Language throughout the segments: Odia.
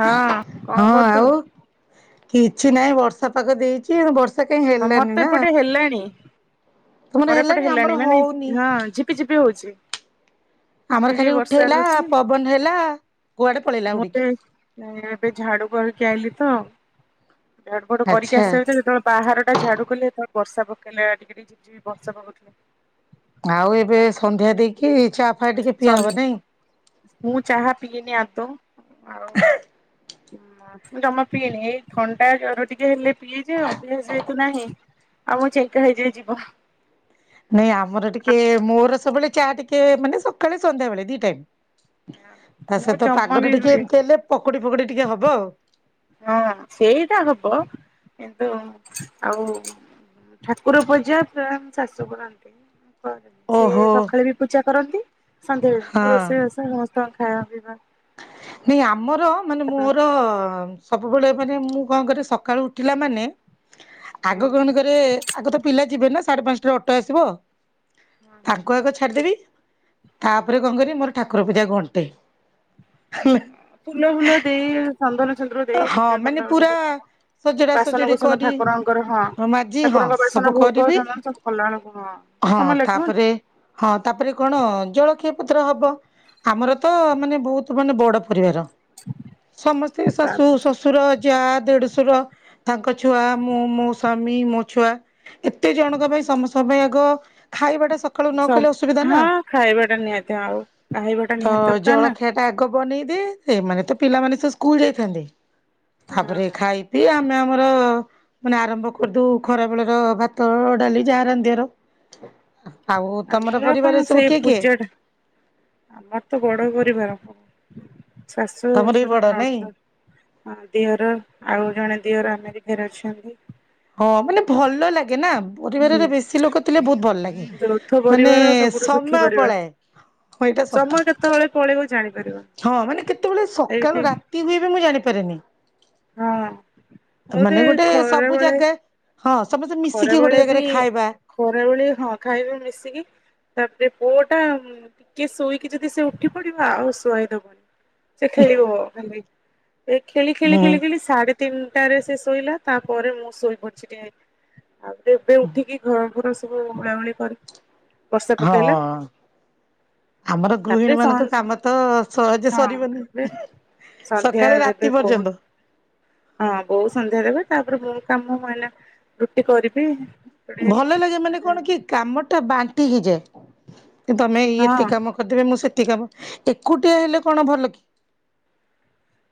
ହଁ କଣ ହଁ କରୁଚୁ? ଆଉ କିଛି ନାହିଁ ବର୍ଷା ପାଖ ଦେଇ ଏତେ ବର୍ଷା କାହିଁ ଆମର ହେଲାନି ତ ନା ଏପଟେ ହେଲାଣି ତମର ଆପଣ ଏପଟେ ଆମର ହେଲାଣି ମାନେ ହଉନି ହଁ ଝିପ୍ ପି ଝିପି ହଉଛି। ଆମର ଝିପିଝିପି ଖାଲି ବର୍ଷା ଉଠେଇଲା ହଉଛି ପବନ ହେଲା କୁଆଡେ ପଳେଇଲା ଉଡିକି। ନାଇଁ ଏବେ ଝାଡୁ କରିକି ଆଇଲି ତ। ଝାଡୁ ଫାଡୁ କରିକି ଆଚ୍ଛା ଆସିବା ଭିତରେ ଯେତେବେଳେ ବାହାର ଟା ଝାଡୁ କଲି ତାପ ବର୍ଷା ପକେଇଲା ଟିକେ ଟିକେ ଝିପଝିପ୍ ବର୍ଷା ପକଉଥିଲା। ଆଉ ଏବେ ସନ୍ଧ୍ୟା ଦେଇକି ଚା ଫା ଟିକେ ପିଆ ସନ୍ ହବ ନାଇଁ? ମୁଁ ଚାହା ପିଏନି ଆଦୌ। ଆଉ ମୁଁ ଜମା ପିଏନି ଏଇ ଥଣ୍ଡା ଜର ଟିକେ ହେଲେ ପିଏ ଜେ ଅଭ୍ୟାସ ଯେହେତୁ ନାହିଁ ଆଉ ମୁଁ ଚେଙ୍କା ହେଇଯାଇ ଯିବ। ନାଇଁ ଆମର ଟିକେ ମୋର ସବୁବେଳେ ଚା ଟିକେ ମାନେ ସକାଳେ ସନ୍ଧ୍ୟାବେେଳେ ଦି ଟାଇମ୍ ତା ମୁଁ ସହିତ ଜମା ପାଗ ଟା ଟିକେ ବି ଏମତି ହେଲେ ପକୋଡି ଫକୋଡି ଟିକେ ହବ ଆଉ। ହଁ ସେଇଟା ହବ କିନ୍ତୁ ଆଉ ଠାକୁର ପୂଜା ପ୍ରାୟ ମୋ ଶାଶୁ କରନ୍ତି। କ ସିଏ ଓହୋ ସକାଳେ ବି ପୂଜା କରନ୍ତି ସନ୍ଧ୍ୟାବେଳେ ହଁ ମୁଁ ରୋଷେଇବାସ ସମସ୍ତଙ୍କ ଖାଇବା ପିଇବା ନାଇଁ ଆମର ମାନେ ହଁ ମୋର ସବୁବେଳେ ମାନେ ମୁଁ କଣ କରେ ସକାଳୁ ଉଠିଲା ମାନେ ଆଗ କଣ କରେ ଆଗ ତ ପିଲା ଯିବେ ନା ସାଢ଼େ ପାଞ୍ଚଟାରେ ଅଟୋ ଆସିବ ତାଙ୍କୁ ଆଗ ଛାଡ଼ିଦେବି ତାପରେ କଣ କରିବି ମୋର ଠାକୁର ପୂଜା ଘଣ୍ଟେ। ହେଲା ଫୁଲ ଫୁଲ ଦେଇ ଚନ୍ଦନ ସିନ୍ଦୁର ଦେଇ ହଁ ପୂଜା ମାନେ କଲା ପୁରା ବେଳୁକୁ ସଜଡା ସଜଡି ବାସନକୁସନ କରି ଠାକୁରଙ୍କର ହଁ ମାଜି ହଁ ଠାକୁରଙ୍କ ସବୁ ବାସନ ଭୋଗ କରିବି ଚନ୍ଦନ ସବୁ କଲା ବେଳକୁ ହଁ ସମୟ ଲାଗିବନି ହଁ ତାପରେ କଣ ଜଳଖିଆ ପତ୍ର ହବ। ଆମର ତ ମାନେ ବହୁତ ମାନେ ବଡ ପରିବାର। ସମସ୍ତେ ତା ଶାଶୁ ଶଶୁର ଯା ଦେଢୁଶୁର ତାଙ୍କ ଛୁଆ ମୁଁ ମୋ ସ୍ୱାମୀ ମୋ ଛୁଆ। ଏତେ ଜଣଙ୍କ ପାଇଁ ସମସ୍ତଙ୍କ ପାଇଁ ଆଗ ଖାଇବାଟା ସକାଳୁ ନ ସ କଲେ ଅସୁବିଧା ନା ହଁ ଖାଇବା ଟା ନିହାତି ଆଉ ଖାଇବା ଟା ନିହାତି ଦରକାର ନା। ପାଗ ବନେଇଦିଏ ଏ ମାନେ ତ ପିଲାମାନେ ତ ସ୍କୁଲ ଯାଇଥାନ୍ତି। ହଁ ତାପରେ ହଁ। ଖାଇ ପିଇ ଆମେ ଆମର ମାନେ ଆରମ୍ଭ କରିଦଉ। ଖରା ବେଳର ଭାତ ଡାଲି ଯାହା ରାନ୍ଧିବାର ଆଉ ତମର ଆମର କଣ ପରିବାରରେ ସବୁ ସେଇ କିଏ କିଏ? ପୂଜା ଟା ଆମର ତ ବଡ ପରିବାର ଶାଶୁ, ତମର ବି ଶଶୁର, ବଡ ନାଇଁ? ନଣଦ। ହଁ ଦିଅର ଆଉ ଜଣେ ଦିଅର ଆମେରିକାରେ ଅଛନ୍ତି। ହଁ ମାନେ ଭଲ ଲାଗେ ନା ହୁଁ ପରିବାରରେ ବେଶୀ ଲୋକ ଥିଲେ ବହୁତ ଭଲ ଲାଗେ। ଯୌଥ ମାନେ ପରିବାର ସବୁଠୁ ସୁଖୀ ସମୟ ପରିବାର। ପଳାଏ ହଁ ଏଇଟା ସମୟ ସତ। କେତେବେଳେ ପଳେଇବ ଜାଣିପାରିବନି। ହଁ ମାନେ କେତେବେଳେ ଏଇଠି ସକାଳୁ ରାତି ହୁଏ ବି ମୁଁ ଜାଣିପାରେନି। ହଁ ତ ବୋଧେ ମାନେ ଗୋଟେ ଖରା ସବୁ ବେଳେ ଜାଗା ହଁ ସମସ୍ତେ ଖରା ମିଶିକି ବେଳେ ଗୋଟେ ବି ଜାଗାରେ ଖାଇବା। ଖରାବେଳେ ହଁ ଖାଇବେ ମିଶିକି ତାପରେ ପୁଅ ଟା ଟିକେ ଶୋଇକି ଯଦି ସେ ଉଠି ପଡିବ ଆଉ ଶୁଆଇଦବନି ସେ ଖେଳିବ ଖାଲି। ଏ ଖେଳି ଖେଳି ହୁଁ ଖେଳି ଖେଳି ସାଢେ ତିନିଟାରେ ସେ ଶୋଇଲା, ତାପରେ ମୁଁ ଶୋଇପଡଚି ଟିକେ। ଆଉ ଏବେ ଉଠିକି ଘର ଘର ସବୁ ଓଳା ଓଳି କର ବର୍ଷା ପକେଇଲା। ହଁ। ଆମର ତାପରେ ଗୃହିଣୀ ସ ମାନଙ୍କ କାମ ତ ସହଜେ ହଁ ସରିବନି। ଏବେ ସନ୍ଧ୍ୟା ସକାଳେ ଦେବେ ରାତି ବୋଉ ପର୍ଯ୍ୟନ୍ତ। ହଁ ବଉ ସନ୍ଧ୍ୟା ଦେବେ ତାପରେ ମୁଁ କାମ ମାନେ ରୁଟି କରିବି। ଏପଟେ ଭଲ ଲାଗେ ମାନେ କଣ କି କାମ ଟା ବାଣ୍ଟି ହେଇଯାଏ କି ତମେ ଇଏ ହଁ ଏତିକି କାମ କରିଦେବେ ମୁଁ ସେତିକିକାମ ଏକୁଟିଆ ହେଲେ କଣ ଭଲ କି।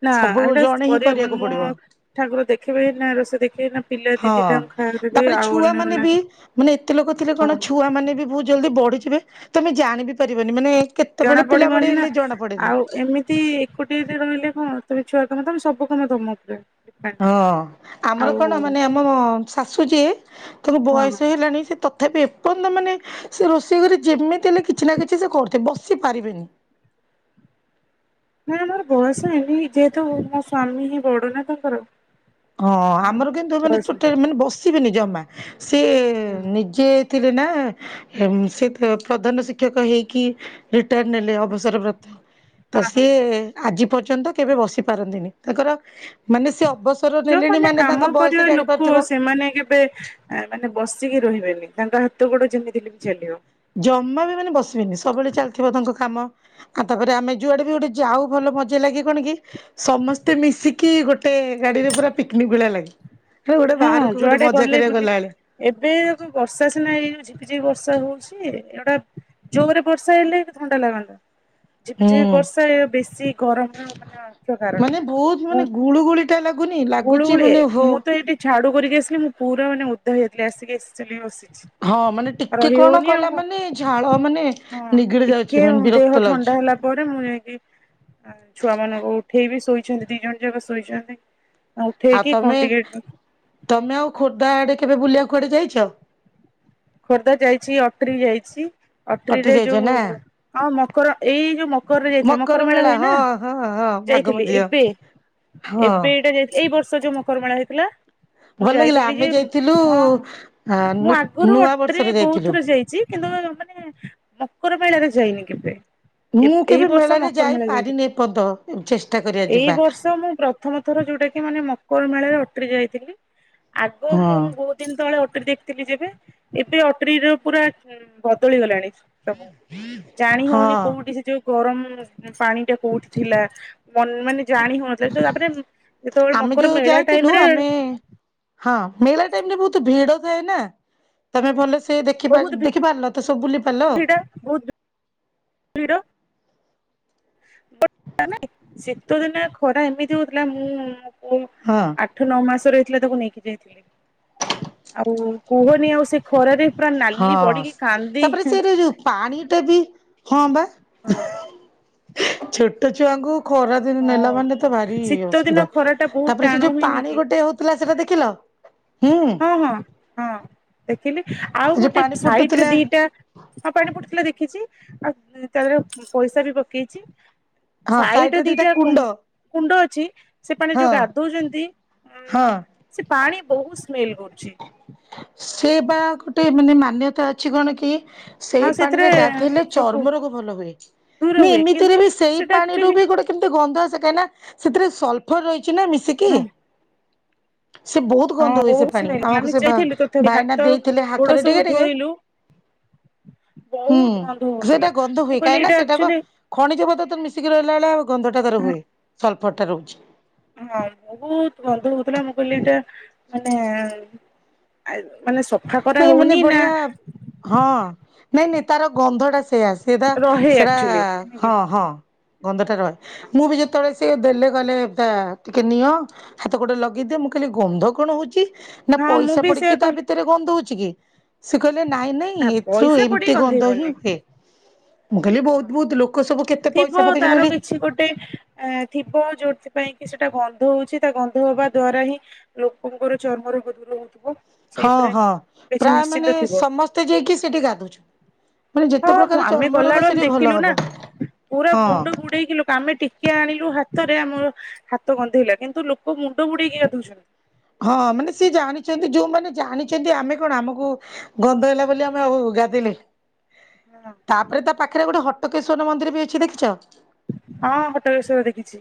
ନା ସବୁ ଏଇଟା ଜଣେ ହିଁ କରିବାକୁ କରିହବନି ମୁଁ ପଡିବ ଠାକୁର ଦେଖିବେ ନା ରୋଷେଇ ଦେଖିବେ ନା ପିଲା ହଁ। ଦିଦିଟାଙ୍କୁ ଖାଇବାର ଦେବେ ତାପରେ ଆଉ ଛୁଆ ମାନେ ବି ଅନ୍ୟମାନଙ୍କୁ ମାନେ ଏତେ ଲୋକ ଥିଲେ କଣ ହଁ ଛୁଆ ମାନେ ବି ବହୁତ ଜଲଦି ବଢି ଯିବେ ତମେ ଜାଣିିବି ପାରିବନି ମାନେ ଜଣା କେତେବେଳେ ପିଲା ପଡିବନି ନା ବଡେଇଲେ ଜଣା ପଡେନି। ଆଉ ଏମିତି ଗୋଟଏ ଗୋଟିଏରେ ରହିଲେ କଣ ହଁ ତମେ ଛୁଆ କାମ କଣ ତମେ ସବୁ କାମ ତମ ଉପରେ। ଡିପେଣ୍ଡ ହଁ ଆମର ଆଉ ହଁ କଣ ମାନେ ଆମ ଶାଶୁ ଯିଏ ତାଙ୍କ ହଁ ବୟସ ହେଲାଣି ସେ ତ ତଥାପି ଏପର୍ଯ୍ୟନ୍ତ ମାନେ ସେ ରୋଷେଇ ଘରେ ଯେମିତି ହେଲେ କିଛି ନା କିଛି ସେ କରୁଥିବେ ସେ ବସି ପାରିବେନି। ନାଇଁ ମୋର ବୟସ ହେଇନି ଯେହେତୁ ମୋ ସ୍ଵାମୀ ହିଁ ବଡ ନା ତାଙ୍କର ହଁ ଆଉ ଆମର କିନ୍ତୁ ମାନେ ବୟସ ଚୋଟେ ମାନେ ବସିବେନି ଜମା ସିଏ ହଁ ନିଜେ ଥିଲେ ନା ହେମସି ତ ପ୍ରଧାନ ଶିକ୍ଷକ ହେଇକି ରିଟାର୍ଡ଼ ନେଲେ ଆଚ୍ଛା ଅବସର ପ୍ରାପ୍ତ ତ ହଁ ହଁ ସେ ହଁ। ଆଜି ପର୍ଯ୍ୟନ୍ତ କେବେ ବସି ପାରନ୍ତିନି। ତାଙ୍କର ମାନେ ସେ ଅବ ଯୋଉମାନେ କାମ କରିବା ଲୋକ ସେମାନେ କେବେ ଆ ମାନେ ବସିକି ରହିବେନି ତାଙ୍କ ହାତ ଗୋଡ ଯେମିତି ହେଲେ ବି ଚାଲିବ। ଜମା ବି ମାନେ ବସିବେନି ସବୁବେଳେ ଚାଲିଥିବ ତାଙ୍କ କାମ। ଆଉ ତାପରେ ଆମେ ଯୁଆଡେ ବି ଗୋଟେ ଯାଉ ଭଲ ମଜା ଲାଗେ କଣ କି ସମସ୍ତେ ସ୍ତେ ମିଶିକି ଗୋଟେ ଗାଡିରେ ପୁରା ପିକନିକ ଭଳିଆ ଲାଗେ। କିଏ ଗୋଟେ ହଁ ବାହାରକୁ ଗୋଟେ ଯୁଆଡେ ମଜା ଗଲେ କରିବାକୁ ବୁଲି ଗଲାବେଳିଆ। ଏବେ ଏ କ ବର୍ଷା ସିନା ହେଇ ଯାଉଚି। ଝିପିଝିପ ବର୍ଷା ହଉଚି ଏଇଟା ଜୋରରେ ବର୍ଷା ହେଲେ ବି କେତେ ଥଣ୍ଡା ଲାଗନ୍ତା। ଝିପ୍ ଝିପ୍ ହୁଁ ବର୍ଷା ଏ ବେଶୀ ଗରମର ମାନେ ମୁଖ୍ୟ କାରଣ। ମୁଁ ଗୁଳୁଗୁଳିଟା ଲାଗୁନି? ଗୁଳୁ ଲାଗୁଚି ଗୁଳି ମାନେ ଓହୋ। ମୁଁ ତ ଏଇଠି ଝାଡୁ କରିକି ଆସିଲି ମୁଁ ପୁରା ମାନେ ଓଦା ହେଇଯାଇଥିଲି ଆସିକି ଏସି ଚଲେଇ ବସିଚି। ହଁ ମାନେ ଟିକେ କଣ କଲା ମାନେ ଝାଳ ମାନେ ହଁ ନିଗିଡି ଟିକେ ଯାଉଚି ମାନେ ଦେହ ବିରକ୍ତ ଥଣ୍ଡା ଲାଗୁଚି। ହେଲା ପରେ ମୁଁ ଯାଇକି ଆ ଛୁଆ ମାନଙ୍କୁ ଉଠେଇବିି ଶୋଇଚନ୍ତି ଦି ଜଣ ଯାକ ଶୋଇଚନ୍ତି। ଆଉ ତମେ, ତମେ ଆଉ ଖୋର୍ଦ୍ଧା ଆଡେ କେବେ ବୁଲିଆକୁୁ କୁଆଡେ ଯାଇଚ? ଖୋର୍ଦ୍ଧା ଯାଇଚି, ଅଟରି ଯାଇଚି, କଟି ଅଟରିରେ ଯାଇଛ ଯୋଉ ନା ଅ ମକର ଏଇ ଯୋଉ ମକରରେ ଯାଇଥିଲି, ମକର ମେଳା ହୁଏ ନା ହଁ ହଁ ହଁ ବାଘ ମୋ ଯାଇଥିଲି ଝିଅ ଏବେ। ହଁ। ଏବେ ଏଇଟା ଯାଇଥିଲି ଏଇ ବର୍ଷ ଯୋଉ ମକରମେଳା ହେଇଥିଲା। ମୁଁ ଭଲ ଲାଗିଲା ଯାଇଥିଲି ଆମେ ଯେ, ଯାଇଥିଲୁ ହଁ ଆ ମୁଁ ଆଗରୁ ନୂଆ ସେ ବର୍ଷରେ ବହୁତ ଯାଇଥିଲୁ। ଥର ଯାଇଛି କିନ୍ତୁ ମାନେ ମକର ମେଳାରେ ଯାଇନି କେବେ? ଏ ମୁଁ ଏଇ କେବେ ବର୍ଷ ମେଳାରେ ମକର ମେଳା ଯାଇଥିଲି ଯାଇପାରିନି ଏପନ୍ତ ଚେଷ୍ଟା କରିବା ଏଇ ଯିବା ବର୍ଷ ମୁଁ ପ୍ର ପ୍ରଥମ ଥର ଯୋଉଟା କି ମାନେ ମକର ମେଳରେ ଅଟ୍ରି ଯାଇଥିଲି। ଆଗ ହଁ। ମୁଁ ବହୁତ ଦିନ ତଳେ ଅଟ୍ରି ଦେଖିଥିଲି ଯେବେ, ଏବେ ଅଟ୍ରିର ପୁରା ବଦଳି ଗଲାଣି। ଜାଣି ହଉନି ହଁ କୋଉଠି ସେ ଯୋଉ? ଗରମ ପାଣି ଟା କୋଉଠି ଥିଲା ମ ମାନେ ଜାଣି ହଉନି। ହୁଏତ ତାପରେ ଯେତେବେଳେ ଆମେ ମକର ଯୋଉ ମେଳା ଟାଇମ ଯାଇଥିଲୁ ରେ ଆମେ ହଁ ମେଳା ଟାଇମ ରେ ବହୁତ ଭିଡ ଥାଏ ନା ତମେ ଭଲ ସେ ଦେଖି ପା ବହୁତ ଦେଖି ପାରିନ। ତ ସବୁ ବୁଲି ପାରିଲ? ଭିଡ ବହୁତ ଭିଡ ବଟ ନାଇଁ ଶୀତ ଦିନିଆ ଖରା ଏମିତି ହଉଥିଲା ମୁଁ ହଁ। ଆଠ ନଅ ମାସ ର ହେଇଥିଲା ତାକୁ ନେଇକି ଯାଇଥିଲି। କୁ କୁହନି ଆଉ ସେ ଖରାରେ ପୁରା ନାଲି ହଁ। ପଡିକି କାନ୍ଦି ତାପରେ ସେରେ ଯୋଉ ପାଣି ଦେବି ହଁ ବା ଛୋଟ ଛୁଆଙ୍କୁ ଖରା ଦିନ ନେଲା ହଁ ମାନେ ତ ଭାରି ଶୀତ ଦିନ ଅସୁବିଧା। ଖରା ଟା ବହୁତ ତାପରେ ସେ ଟାଣ ଯୋଉ ହୁଏନି ପାଣି କି? ଗୋଟେ ହଉ ଥିଲା ସେଇଟା ଦେଖିଲ? ହୁଁ। ହଁ, ହଁ, ହଁ, ଦେଖିଲି ଆଉ ସେ ଯୋଉ ଗୋଟେ ପାଣି ଫୁଟୁଥିଲା ସାଇଟରେ ଦିଟା ହଁ ପାଣି ଫୁଟୁଥିଲା ଦେଖିଛି। ଆଉ ତା ଦେହରେ ପଇସା ବି ପକେଇଛି। ହଁ ସାଇଡ ସାଇଡରେ ରେ ଦିଟା କୁଣ୍ଡ ଅଛି ସେ ପାଣିରେ ହଁ ଯୋଉ ଗାଧଉଛନ୍ତି। ଉ ହଁ। ସେ ପାଣି ବହୁତ ସ୍ମେଲ କରୁଛି। ସେ ବା ଗୋଟେ ମାନେ ମାନ୍ୟତା ଅଛି କଣ କି? ସେଇ ଆଉ ସେଥିରେ ପାଣିରେ ଗାଧେଇଲେ ସବୁ ଚର୍ମ ରୋଗ ଭଲ ହୁଏ। ଦୂର ହୁଏ କିନ୍ତୁ ଏମିତିରେ ବି ସେଇ ସେଟା ପାଣିରୁ ଆକ୍ଚୁଆଲି ବି ଗୋଟେ କେମିତି ଗନ୍ଧ ଆସେ କାହିଁକି ନା ସେଥିରେ ସଲଫର ରହିଛି ନା ମିଶିକି। ହଁ ସେ ବହୁତ ହଁ ଗନ୍ଧ ହୁଏ ବହୁତ ସେ ପାଣି ସ୍ମେଲ ହଉଥିଲା ଆମକୁ ଆମେ ସେ ଯାଇଥିଲୁ ତଥାପି ଭାଇନା ହାତ ଦେଇଥିଲେ ଗୋଡ ହାତରେ ସବୁ ଟିକେ ଟିକେ ଧୋଇଲୁ ହୁଁ, ବହୁତ ଗନ୍ଧ ସେଟା ହଉଥିଲା ଗନ୍ଧ ମୁଁ ହୁଏ କହିଲି କାହିଁ ନା ଏଇଟା ସେଇଟା ବା ଆକ୍ଚୁଆଲି ଖଣିଜ ପଦାର୍ଥ ମିଶିକି ରହିଲା ଭଳିଆ ଗନ୍ଧଟା ତାର ହୁଏ ସଲ୍ଫରଟା ରହୁଛି। ହଁ, ବହୁତ ଗନ୍ଧ ହଉଥିଲା ମୁଁ କହିଲି ଏଇଟା ମାନେ ଆରେ ମାନେ ସଫା କରା ନାଇଁ ମାନେ ହଉନି ନା? ବଢିଆ ହଁ, ନାଇଁ ନାଇଁ ତାର ଗନ୍ଧଟା ସେଇଆ ସେଟା, ରହେ ସେଟା ଆକ୍ଚୁଆଲି ହଁ ହଁ। ଗନ୍ଧଟା ରହେ। ମୁଁ ବି ଯେତେବେଳେ ସିଏ ଦେଲେ କହିଲେ ଏଟା ଟିକେ ନିଅ। ହାତ ଗୋଡେ ଲଗେଇଦିଏ। ମୁଁ କହିଲି ଗନ୍ଧ କଣ ହଉଛିି? ନା ହଁ ମୁଁ ପଇସା ବି ପଡିକି ସେୟା ତା କହିଲି ଭି ତରେ ଗନ୍ଧ ହଉଛି କି ସେ କହିଲେ ନାଇଁ ନାଇଁ ନା ଏଥିରୁ ପଇସା ପଡିକି ଏମତି ଗନ୍ଧ ଗନ୍ଧେଇବନି ହିଁ ହୁଏ। ମୁଁ କହିଲି ହଁ ବହୁତ ବହୁତ ଲୋକ ସବୁ କେ ଥିବ ତାର କିଛି ଗୋଟେ ଏ ଥିବ ଯୋଉଥିପାଇଁ କି ସେଟା ଗନ୍ଧ ହଉଛି ତା ଗନ୍ଧ ହବା ଦ୍ଵାରା ହିଁ ଲୋକଙ୍କର ଚର୍ମ ରୋଗ ଦୂର ହଉଥିବ। ହଁ ସେଇଥିରେ ହଁ କିଛି ପ୍ରାୟ ନିଶ୍ଚିନ୍ତ ମାନେ ଥିବ ସମସ୍ତେ ଯାଇକି ସେଠି ଗାଧଉଛନ୍ତି। ମାନେ ଯେତେ ହଁ ମୁଁ ପ୍ରକାର ଆମେ ଚର୍ମ ରୋଗ ଗଲାବେଳୁ ଆମେ ସେଠି ଭଲ ଦେଖିଲୁ ନା ହବ। ପୁରା ହଁ ମୁଣ୍ଡ ବୁଡେଇକି ଲୋକ ଆମେ ଟିକେ ଆଣିଲୁ ହାତରେ ଆମର ହାତ ଗନ୍ଧେଇଲା କିନ୍ତୁ ଲୋକ ମୁଣ୍ଡ ବୁଡେଇକି ଗାଧଉଛନ୍ତି। ହଁ ମାନେ ସେ ଜାଣିଛନ୍ତି ଯୋଉମାନେ ଜାଣିଛନ୍ତି ଆମେ କଣ ଆମକୁ ଗନ୍ଧ ହେଲା ବୋଲି ଆମେ ଆଉ ଗାଧେଇନେ ତାପରେ ତା ପାଖରେ ଗୋଟେ ହଟକେଶ୍ଵର ମନ୍ଦିର ବି ଅଛି ଦେଖିଛ? ହଁ ହଟକେଶ୍ଵର ଦେଖିଛି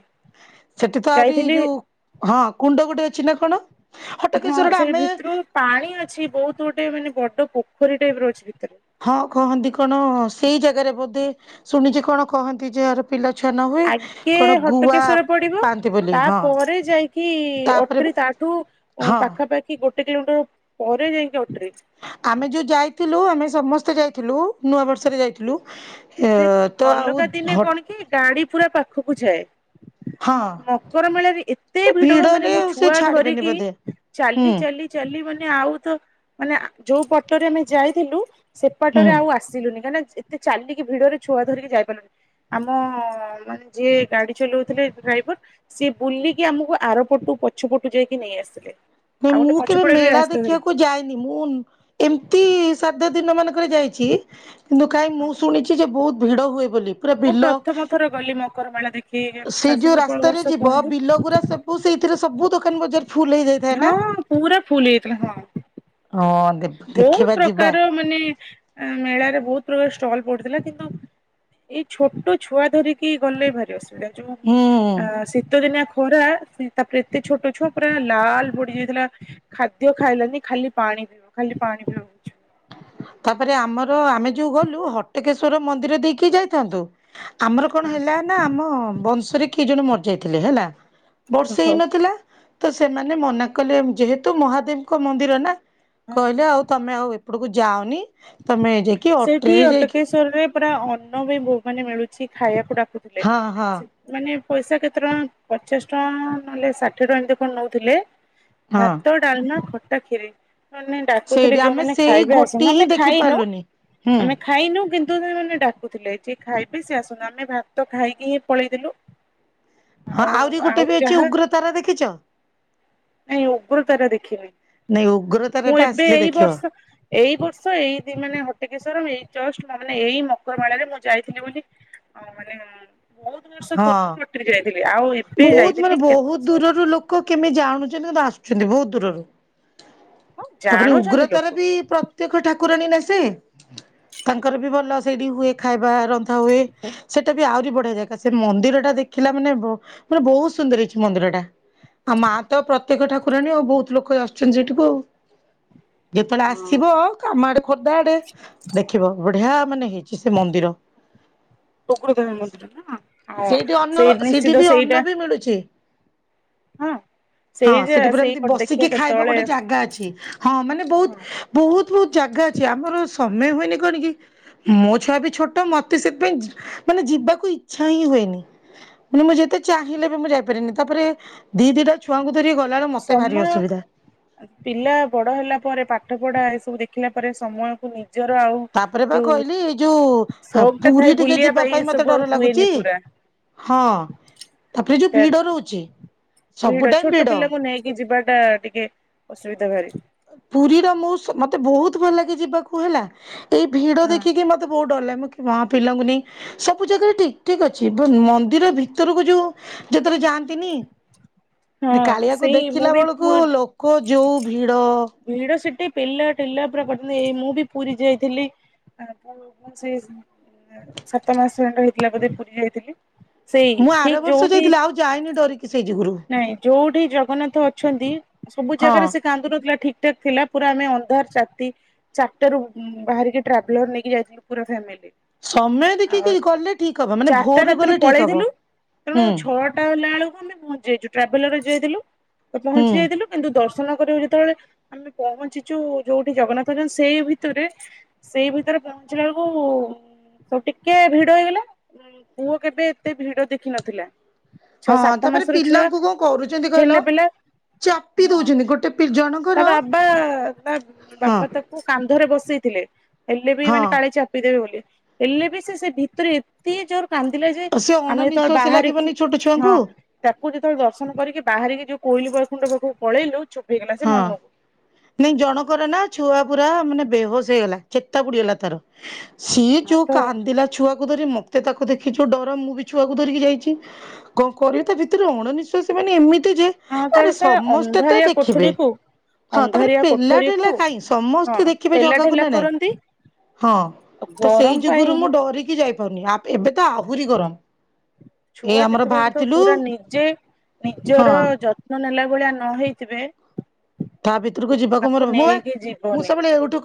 ସେଠି ତ ଆହୁରି ଯାଇଥିଲି ଯୋଉ ହଁ କୁଣ୍ଡ ଗୋଟେ ଅଛି ନା କଣ? ହଁ ହଟକେଶ୍ଵର ଟା ସେଇ ଆମେ ଭିତୁରୁକୁ ପାଣି ଅଛି ବୋହୁତ ଗୋଟେ ମାନେ ବଡ ପୋଖରୀ ଟାଇପର ଅଛି ଭିତରେ। ହଁ କହନ୍ତି କଣ ସେଇ ଜାଗାରେ ବୋଧେ ଶୁଣିଚି କଣ କହନ୍ତି ଯାହାର ପିଲା ଛୁଆ ନ ହୁଏ ଆଗେ କଣ ଗୁଆ ହଟକେଶ୍ଵର ପାଆନ୍ତି ବୋଲି ହଁ। କି ତାପରେ ଅଟ୍ରି ବା ତାଠୁ ଉଁ ହଁ ପାଖାପାଖି ଗୋଟେ କିଲୋମିଟର ପରେ ଯାଇଁକି ଅଟ୍ରି। ଆମେ ଯୋଉ ଯାଇଥିଲୁ ଆମେ ସମସ୍ତେ ଯାଇଥିଲୁ ନୂଆ ବର୍ଷରେ ଯାଇଥିଲୁ ଏ ସେ ତ ଆଉ ଅଲଗା ଦିନେ କଣ କି ଗାଡି ପୁରା ପାଖକୁ ଯାଏ। ହଁ ମକର ମେଳାରେ ଏତେ ସେ ଭିଡ ମାନେ ଭିଡରେ ମୁଁ ଆଉ ସେ ଛୁଆ ଛାଡିବେନି ଧରିକି ବୋଧେ ହୁଁ ଚାଲି ଚାଲି ଚାଲି ମାନେ ଆଉ ତ ମାନେ ଆ ଯୋଉ ପଟରେ ଆମେ ଯାଇଥିଲୁ ହୁଁ। ସେପଟରେ ଆଉ ଆସିଲୁନି କାହିଁକିନା ଯ୍ ଏତେ ଚାଲିକି ଭିଡରେ ଛୁଆ ଧରିକି ଯାଇପାରଲୁନି। ଆମ ମାନେ ଯିଏ ଗାଡି ଚଲୋଉଥୁଲେ ଡ୍ରାଇଭର ସିଏ ବୁଲିକି ଆମକୁ ଆରପଟୁ ପଛପଟୁ ଯାଇକି ନେଇ ଆସିଲେ। ନାଇଁ ଆଉ ଗୋଟେ ମୁଁ କେବେ ପଛପଟେ ବି ମେଳା ରାସ୍ତା ଥିଲା ଦେଖିବାକୁ ଯାଇ ନି ମୁଁ ଏମତି ସାଧା ଦିନ ମାନଙ୍କରେ ଯାଇଚି କିନ୍ତୁ କାଇଁ ହଁ ମୁଁ ଶୁଣି ଚି ଯେ ବୋହୁତ ଭିଡ ହୁଏ ବୋଲି। ପୁରା ମୁଁ ବିଲ ପ୍ରଥମ ଥର ଗଲି ମକର ମେଳା ଦେଖି ସେଇ ଶାଶୁ ଯୋଉ ସବଳ ରାସ୍ତାରେ ବର୍ଷ ଯିବ କୁହନ୍ତି ବିଲଗୁରା ସେ ଓ ସେଇଥିରେ ସବୁ ଦୋକାନ ବଜାର ଫୁଲ ହେଇ ହଁ ପୁରା ଫୁଲ ହେଇଯାଇଥିଲା ହଁ। ହଁ ଦେବ୍ ବହୁତ ଦେଖିବା ପ୍ରକାର ଯିବା। ମାନେ ଏ ମେଳାରେ ବୋହୁତ ପ୍ରକାର ଷ୍ଟଲ ପଡିଥିଲା କିନ୍ତୁ ଏଇ ଛୋଟ ଛୁଆ ଧରିକି ଗଲେ ଭାରି ଅସୁବିଧା ଯୋଉ ହୁଁ ଆଁ ଶୀତ ଦିନିଆ ଖରା ସେ ତାପରେ ଏତେ ଛୋଟ ଛୁଆ ପୁରା ଲାଲ ପଡିଯାଇଥିଲା ଖାଦ୍ୟ ଖାଇଲାନି ଖାଲି ପାଣି ପିବ। ଖାଲି ପାଣି ପିଉ ଛୁ ତାପରେ ଆମର ଆମେ ଯୋଉ ଗଲୁ ହଟକେଶ୍ଵର ମନ୍ଦିର ଦେଇକି ଯାଇଥାନ୍ତୁ। ଆମର କଣ ହେଲା ନା ଆମ ବଂଶରେ କିଏ ଜଣେ ମରିଯାଇଥିଲେ ହେଲା। ଓହୋ। ବର୍ଷେ ହଁ ହେଇନଥିଲା ତ ସେମାନେ ମନା କଲେ ଯେହେତୁ ମହାଦେବଙ୍କ ମନ୍ଦିର ନା କହିଲେ ଆଉ ତମେ ଆଉ ଏପଟକୁ ଯାଅନି ତମେ ଯାଇକି ସେଇଠି ଅଟ୍ରିରେ ଯାଇକି ଅଟକେଶ୍ଵରରେ ପୁରା ଅନ୍ନ ବି ବୋ ମାନେ ମିଳୁଚି ଖାଇବାକୁ ଡାକୁଥୁଲେ ହଁ ହଁ ସେଇ ମାନେ ପଇସା କେତେ ଟଙ୍କା ପଚାଶ ଟଙ୍କା ନହେଲେ ଷାଠିଏ ଟଙ୍କା ଏମତି କଣ ନୋଉଥୁଲେ। ହଁ ଭାତ, ଡାଲମା, ଖଟା, ଖିରି ମାନେ ଡାକୁଥୁଲେ ସେଇଠି ଆମେ ଯୋଉମାନେ ସେଇ ଖାଇବେ ଆସୁନ୍ତୁ ଗୋଟିଏ ହିଁ ଆମେ ଦେଖି ଖାଇନୁ ପାରିଲୁନି। ହୁଁ ଆମେ ଖା ଖାଇନୁ କିନ୍ତୁ ସେମାନେ ଡାକୁଥୁଲେ ଯିଏ ଖାଇବେ ସେ ଆସନ୍ତୁ ଆମେ ଭାତ ଖାଇକି ହିଁ ପଳେଇଥିଲୁ। ହଁ ଆଉ ଆହୁରି ଆଉ ଗୋଟେ ବି ଅଛି ଯାହା ଉଗ୍ର ତାରା ଦେଖିଚ? ନାଇଁ ଉଗ୍ରତାରା ଦେଖିନି ନାଇଁ ଉଗ୍ରତାରା ମୁଁ ଟା ଏବେ ଆସିଲେ ଏଇ ଦେଖିବ ବର୍ଷ ଏଇ ବର୍ଷ ଏଇ ଦି ମାନେ ହଟକେଶ୍ଵର ମୁଁ ଏଇ ଜଷ୍ଟ ମ-ମାନେ ଏଇ ମକର ମେଳାରେ ମୁଁ ଯାଇଥିଲି ବୋଲି ଆଉ ମାନେ ବୋହୁତ ବର୍ଷ ହଁ। ପୂର୍ବରୁ ଅଟ୍ରି ଯାଇଥିଲି ଆଉ ଏବେ ବହୁତ ମାନେ ଯାଇଥିଲି କେତେ ବହୁତ ବର୍ଷ ଦୂରରୁ ଲୋକ କେମି ଜାଣୁଚନ୍ତି କିନ୍ତୁ ଆସୁଛନ୍ତି ବୋହୁତ ଦୂରରୁ। ହଁ ତାପରେ ଜାଣୁଛନ୍ତି ଲୋକ। ଉଗ୍ରତରା ବି ପ୍ର ପ୍ରତ୍ୟେକ୍ଷ ଠାକୁରାଣୀ ନା ସେ ତାଙ୍କର ବି ଭଲ ସେଇଠି ହୁଏ। ଖାଇବା ରନ୍ଧାହୁଏ ସେଟା ବି ଆହୁରି ବଢିଆ ଜାଗା। ନା ସେ ମନ୍ଦିରଟା ଦେଖିଲା ମାନେ ବୋ ମାନେ ବୋହୁତ ସୁନ୍ଦର ହେଇଚି ମନ୍ଦିରଟା। ଆଉ ମାଆ ତ ପ୍ରତ୍ୟେକ୍ଷ ଠାକୁରାଣୀ ଆଉ ବୋହୁତ ଲୋକ ଆସୁଛନ୍ତି ସେଠିକୁ ଆଉ। ଯେତେବେଳେ ହଁ ଆସିବ ଆମ ଆଡେ ଖୋର୍ଦ୍ଧା ଆଡେ ଦେଖିବ ବଢିଆ ମାନେ ହେଇଛି ସେ ମନ୍ଦିର। ଉଗ୍ର ଦେବୀ ମନ୍ଦିର ନା ହଁ ସେଇ ନିଶ୍ଚିତ ସେଇଟା ମିଳୁଚି। ହଁ ହଁ ସେଇ ଯେ ସେଠି ପୁରା ସେଇ ଏମତି ଗୋଟେ ଦେଖିବା ବସିକି ଖାଇବ କେତେବେଳେ ଗୋଟେ ଜାଗା ଅଛି ହଁ ମାନେ ହଁ ବୋହୁତ ବୋହୁତ ବୋହୁତ ଜାଗା ଅଛି ଆମର ସମୟ ହୁଏନି କଣ କି ମୋ ଛୁଆ ବି ଛୋଟ ମତେ ସେଥିପାଇଁ ଯି ମାନେ ଯିବାକୁ ଇ ଇଚ୍ଛା ହିଁ ହୁଏନି ମାନେ ମୁଁ ଯେତେ ଚାହିଁଲେ ବି ମୁଁ ଯାଇପାରେନି ତାପରେ ଦିଇ ଦିଇଟା ଛୁଆଙ୍କୁ ଧରି ଗଲାବେଳେ ମୋତ ଭାରି ଅସୁବିଧା। ଆ, ପିଲା ବଡ ହେଲା ପରେ, ପାଠ ପଢା ଏସବୁ ଦେଖିଲା ପରେ ସମୟକୁ ନି ତାପରେ ବା କହିଲି ଏ ଯୋଉ ହଁ ସଉକ ଟା ଥାଏ ପୁରୀ ଟିକେ ବୁଲିବା ଯିବା ଏ ପାଇଁ ମୋତେ ସବୁ ଆଉ ଡର ହୁଏନି ଲାଗୁଚି। ପୁରା ହଁ ତାପରେ ଯୋଉ ସେଟା ଭିଡ ରହୁଛି, ଭିଡ ସବୁ ଟାଇମ୍ ଛୋଟ ଭିଡ। ପିଲାକୁ ନେଇକି ଯିବା ଟା ଟିକେ ଅସୁବିଧା ଭାରି। ପୁରୀର ମୁଁ ସୁ- ମୋତେ ବହୁତ ଭଲ ଲାଗେ ଯିବାକୁ ହେଲା, ଏଇ ଭିଡ ହଁ ଦେଖିକି ମୋ ତେ ବହୁତ ଡର ଲାଗେ, ମୁଁ କି ମା ପିଲାଙ୍କୁ ନେଇ ସବୁ ଜାଗାରେ ଠିକ, ଠିକ ଅଛି ଏବଂ ମନ୍ଦିର ଭିତରକୁ ଯୋଉ ଯେତେବେଳେ ଯାଆନ୍ତିନି ଏ ହଁ କାଳିଆକୁ ସେଇ ମୁଁ ଦେଖିଲା ବି ବେଳକୁ ପୁ ଲୋ କ ଯୋଉ ଭିଡ଼। ଭିଡ ସେଟି ପେଲା ଠେଲା ପୁରା [inaudible] ଏଇ ମୁଁ ବି ପୁରୀ ଯାଇଥିଲି ଆ ପୁଅକୁ ସେ ଉଁ, ସାତ ମାସ ଖଣ୍ଡେ ହେଇଥିଲା ବୋଧେ ପୁରୀ ଯାଇଥିଲି। ମୁଁ ସେଇଠି ଆର ବର୍ଷ ଯୋଉଠି ଯାଇଥିଲି ଆଉ ଯାଇନି ଡରିକି ସେଇ ଯୁଗୁରୁ ନାଇଁ ଯୋଉଠି ଜଗନ୍ନାଥ ଅଛନ୍ତି ସବୁ ହଁ ଜାଗାରେ ସେ କାନ୍ଦୁ ନଥିଲା ଠିକ ଠାକ୍ ଥିଲା ପୁରା। ଆମେ ଅନ୍ଧାର ଚାତି ଚାରଟା ରୁ ଉଁ, ବାହାରିକି ଟ୍ରାଭେଲର ନେଇକି ଯାଇଥିଲୁ ପୁରା ଫ୍ୟାମିଲି। ସମୟ ଦେଖିକି ଆଉ ଗଲେ ଠିକ ହବ ମାନେ ଚାରଟା ଭୋରରୁ ରାତିରୁ ଗଲେ ଠିକ ହବ ପଳେଇଥିଲୁ। ତେଣୁ ହୁଁ ଛଅ ଟା ହେଲା ବେଳକୁ ଆମେ ପହଞ୍ଚି ଯାଇଛୁ। ଟ୍ରାଭେଲରରେ ଯାଇଥିଲୁ ତ ପହଞ୍ଚି ହୁଁ ଯାଇଥିଲୁ। କିନ୍ତୁ ଦର୍ଶନ କରିବାକୁ ଯେତେବେଳେ ଆମେ ପହଞ୍ଚିଚୁ, ଯୋଉଠି ଜଗନ୍ନାଥ ଅଛନ୍ତି ସେଇ ଭିତିରେ ସେଇ ଭିତରେ ପହଞ୍ଚିଲା ବେଳକୁ ସୋ ଟିକେ ଭିଡ ହେଇଗଲା। ପୁଅ କେବେ ଏତେ ଭିଡ ଦେଖିନଥିଲା। ଛଅ ହଁ ସାତ ତାପରେ ମାସର ଛୁଆ ପିଲାଙ୍କୁ କଣ କରୁଛନ୍ତି କହିଲ, ଠେଲା ପେଲା ଚାପି ହଁ ଦଉଛନ୍ତି, ଗୋଟେ ପି ଜଣଙ୍କ ତା ବାବା ତା ବାବା ତାକୁ କାନ୍ଧରେ ବସେଇଥିଲେ। ହେଲେ ବି ମାନେ ହଁ କାଳେ ଚା ପି ଦେବେ ବୋଲି, ହେଲେ ବି ସେ ସେ ଭିତରେ ଏତେ ଜୋର କାନ୍ଦିଲା ଯେ, ସେ ଆମେ ଯେତେବେଳେ ଅଣନିଶ୍ୱାସୀ ବାହାରିକି ଲାଗିବନି ଛୋଟ ଛୁଆଙ୍କୁ ହଁ ତାକୁ ଯେତେବେଳେ ଦର୍ଶନ କରିକି ବାହାରିକି ଯୋଉ କୋଇଲ ବୈକୁଣ୍ଠ ପାଖକୁ ପଳେଇଲୁ ଚୁପ୍ ହେଇଗଲା। ସେ ହଁ ମନକୁ ନାଇଁ ଜଣକର ନା ଛୁଆ ପୁରା ମାନେ ବେହୋସ ହେଇଗଲା, ଚେତା ବୁଡିଗଲା ତାର। ସିଏ ହଁ ଯୋଉ ତ କାନ୍ଦିଲା ଛୁଆକୁ ଧରି, ମୋତେ ତାକୁ ଦେଖି ଯୋଉ ଡର ମୁଁ ବି ଛୁଆକୁ ଧରିକି ଯାଇଛି। କଣ କରିବି ତା ଭିତରେ ଅଣନିଶ୍ଵାସୀ ମାନେ ଏମିତି ଯେ ହଁ ତାର ଆରେ ସେ ସମସ୍ତେ ତ ଅନ୍ଧାରିଆ ଦେ ଖିବେ କୋଠରୀକୁ ହଁ ତା ବୋଲି ଅନ୍ଧାରିଆ ପିଲାଠେଲା କୋଠରୀକୁ ହେଲା କାଇଁ ହଁ ସମସ୍ତେ ଦେଖିବେ ପେଲା ଜଗାକୁ ଠେଲା ନା ନାଇଁ। କରନ୍ତି ହଁ ତ ସେଇ ଗରମ ପାଇଁ ଯୁଗରୁ ମୁଁ ଡରିକି ଯାଇପାରୁନି। ଆପ୍ ଏବେ ତ ଆହୁରି ଗରମ। ଏଇ ଛୁଆ ଆମର ଯେତେ ପର୍ଯ୍ୟନ୍ତ ବାହାରିଥିଲୁ ପୁରା ନିଜେ ହଁ ନିଜର ଯ ତ୍ନ ନେଲା ଭଳିଆ ନ ହେଇଥିବେ ତା ଭିତରକୁ ଯିବାକୁ ତାକୁ ମୋର ମୁଁ ଏ ନେଇକି ମୁଁ ଯିବନି ସେବୁବେଳେ ଏଉଠୁ